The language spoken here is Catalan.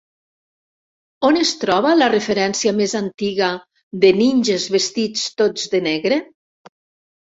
On es troba la referència més antiga de ninges vestits tots de negre?